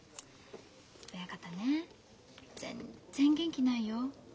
親方ね全然元気ないよ。